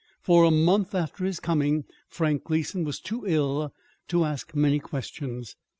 For a month after his coming Frank Gleason was too ill to ask many questions.